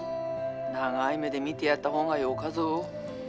☎長い目で見てやった方がよかぞ。